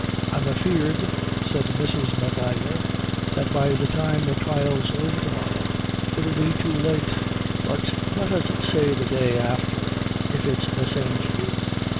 "I'm afeard," said Mrs. M'Ivor, "that by the time the trial's over to morrow, it'll be too late; but let us say the day afther, if it's the same to you."